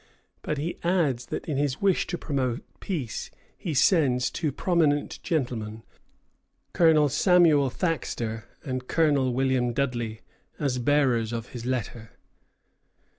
But he adds that in his wish to promote peace he sends two prominent gentlemen, Colonel Samuel Thaxter and Colonel William Dudley, as bearers of his letter.